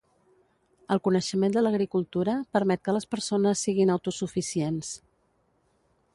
El coneixement de l'agricultura permet que les persones siguin autosuficients.